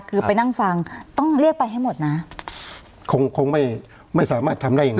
คือไปนั่งฟังต้องเรียกไปให้หมดนะคงคงไม่ไม่สามารถทำได้ยังไง